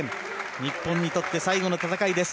日本にとって最後の戦いです。